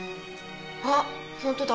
あっ本当だ。